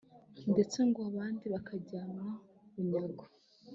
ndetse ngo abandi bakajyanwa bunyago